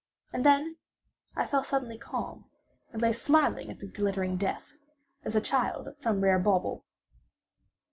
And then I fell suddenly calm, and lay smiling at the glittering death, as a child at some rare bauble.